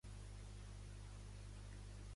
Sabrià creu que una entesa és viable actualment?